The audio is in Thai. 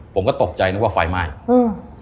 ผมก็ตกใจนึกว่าไฟไหม้อืม